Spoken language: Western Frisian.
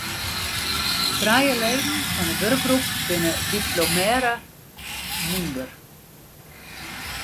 Trije leden fan de wurkgroep binne diplomearre mûnder.